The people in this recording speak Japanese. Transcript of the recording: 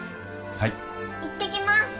はい行ってきます